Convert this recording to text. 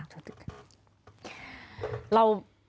สวัสดีค่ะ